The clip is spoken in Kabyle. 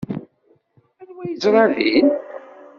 Anwa ay yeẓra din?